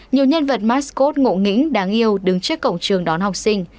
nhiều nhân vật mascode ngộ nghĩnh đáng yêu đứng trước cổng trường đón học sinh